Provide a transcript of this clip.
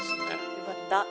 よかった。